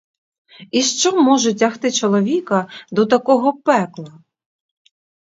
І що ж може тягти чоловіка до такого пекла?